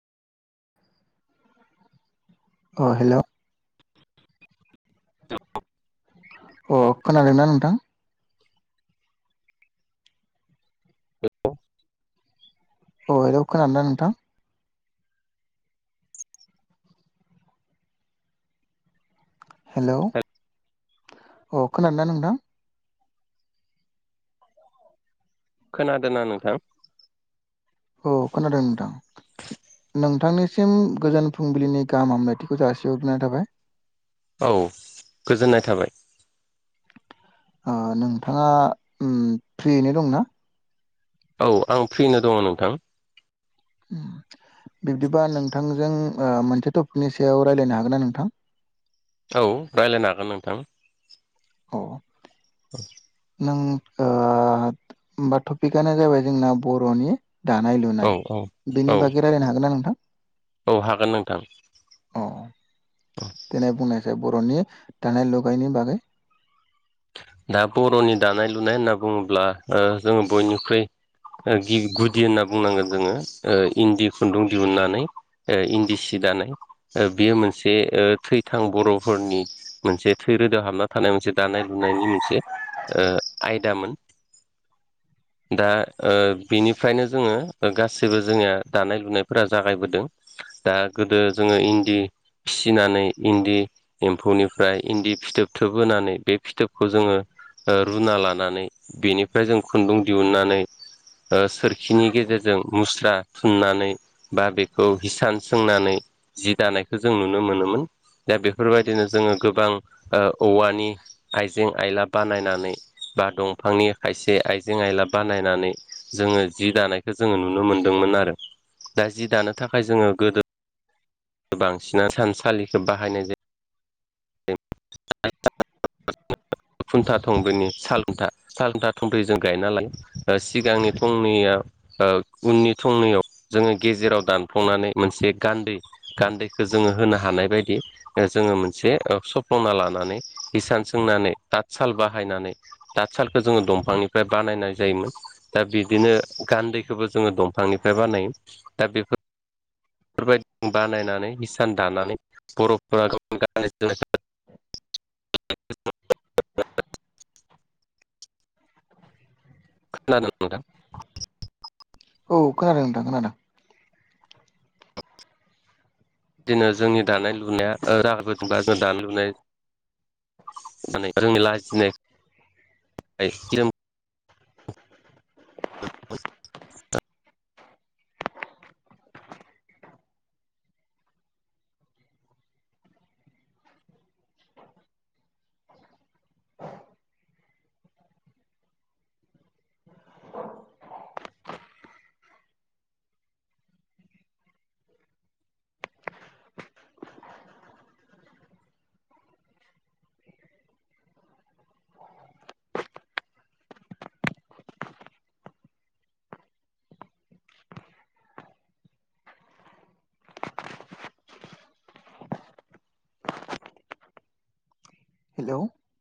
अ hello. अ खोनादोंना नोंथां? [unintelligible] अ हेलौ खोनादोंना नोंथां? हेलौ अ खोनादोंना नोंथां? [inaudible] खोनादोंना नोंथां? औ खोनादों नोंथां। नोंथांनिसिम गोजोन फुंबिलिनि गाहाम हामलायथिखौ जासिहरग्रोनाय थाबाय। औ गोजोननाय थाबाय। आ नोंथाङा उम फ्रियैनो दंना? औ आं फ्रियैनो दङ नोंथां। ओम। बिब्दिबा नोंथांजों ओ मोनसे टपिकनि सायाव रायज्लायनो हागोन ना नोंथां? औ रायलायनो हागोन नोंथां। औ। नों ओ होमबा टपिकआनो जाबाय जोंना बर'नि दानाय औ लुनाय औ औ बेनि बागै रायजलायनो हागोन ना नोंथां? औ हागोन नोंथां। अ [inaudible] देनाय बुंनायसै बर'नि दानाय लुनायनि बागै। दा बर'नि दानाय लुनाय होनना बुङोब्ला ओ जोङो बयनिख्रुइ गुदि होनना बुंनांगोन जोङो इन्दि खुन्दुं दिहुननानै इन्दि सि दानाय बेयो मोनसे ओ थै थां बर'फोरनि मोनसे थै रोदा हाबना थानाय मोनसे दानाय लुनायनि मोनसे ओ आयदामोन। दा ओ बिनिफ्रायनो जोङो गासैबो जोंनिया दानाय लुनायफोरा जागायबोदों। दा गोदो जोङो इन्दि फिसिनानै इन्दि एम्फौनिफ्राय इन्दि फि थोब थोबहोनानै बे फिथोब खौ जोङो ओ रुना लानानै बेनिफ्राय जों खुन्दुं दिहुननानै ओ सोरखिनि गेजेरजों मुस्रा थुननानै बा बेखौ हिसान सोंनानै जि दानायखौ जों नुनो मोनोमोन। दा बेफोरबायदिनो जोङो गोबां ओ औवानि आइजें आइला बानायनानै बा दंफांनि खायसे आइजें आइला बानायनानै जो ङो जि दानायखौ जोङो नुनो मोनदोंमोन आरो दा जि दानो थाखाय जोङो गोदो बांसिना इसानसालिखौ बाहायनाय जायो। [unintelligible] खुन्था थंब्रैनि सालखुन्था सालखुन्था थंब्रै जों गायना लायो ओ सिगांनि थंनैया ओ उननि थंनैयाव जोङो गेजेराव दानफ्लंनानै मोनसे गान्दै गान्दैखौ जों होनो हानाय बायदि जोङो मोनसे ओ [unintelligible] सफ्लंना लानानै हिसान सोंनानै थातसााल बाहायनानै थातसाालखौ जोङो दंफांनिफ्राय बानाय नायनाय जायोमोन दा बिदिनो गान्दैखोबो जोङो दंफांनिफ्राय बानायो दा बेफोर बेफोरबायदि बानायनानै हिसान दानानै बर'फोरा गावनि गान्नाय जोमनाय खोनादों [unintelligible] औ खोनादों नोंथां खोनादों। बिदिनो जोंनि दानाय लुनाया ओ [unintelligible] दानाय लुनाय रोङि लाजिनाय [unintelligible] [inaudible] हेलौ